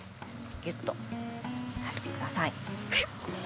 ぎゅっとさしてください。